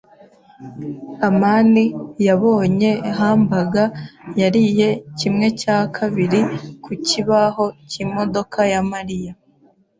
amani yabonye hamburger yariye kimwe cya kabiri ku kibaho cyimodoka ya Mariya.